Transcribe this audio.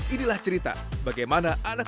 inilah cerita bagaimana berhasil dan berhasil